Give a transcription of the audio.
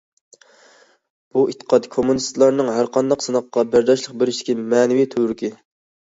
بۇ ئېتىقاد كوممۇنىستلارنىڭ ھەرقانداق سىناققا بەرداشلىق بېرىشتىكى مەنىۋى تۈۋرۈكى.